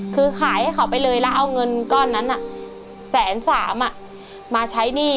คือขายให้เขาไปเลยแล้วเอาเงินก้อนนั้นแสนสามมาใช้หนี้